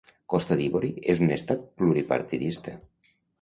Costa d'Ivori és un estat pluripartidista.